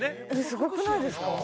すごくないですか？